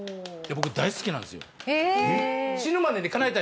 僕大好きなんですよ。